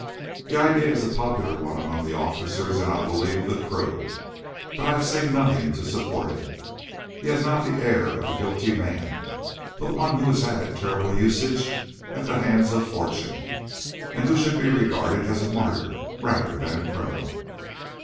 The idea is a popular one among the officers, and, I believe, the crew; but I have seen nothing to support it. He has not the air of a guilty man, but of one who has had terrible usage at the hands of fortune, and who should be regarded as a martyr rather than a criminal.